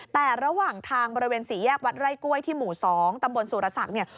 แต่ระหว่างทางบริเวณสี่แยกวัดไร่กล้วยที่หมู่๒ตำบลสุรศักดิ์เนี่ย